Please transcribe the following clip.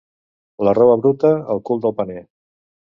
La roba bruta, al cul del paner.